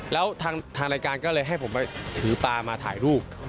แล้วทางรายการก็เลยให้ผมไปถือปลามาถ่ายรูป